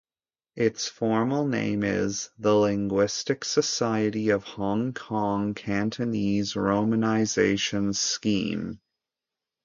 Its formal name is The Linguistic Society of Hong Kong Cantonese Romanisation Scheme.